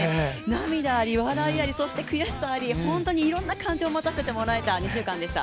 涙あり笑いありそして悔しさあり、本当にいろんな感情を持たせてもらえた２週間でした。